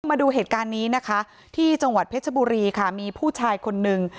มาดูเหตุการณ์นี้นะคะที่จังหวัดเพชรบุรีค่ะมีผู้ชายคนนึง